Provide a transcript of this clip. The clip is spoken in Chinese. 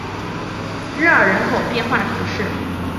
热尔人口变化图示